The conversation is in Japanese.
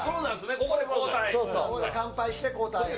ここで乾杯して交代。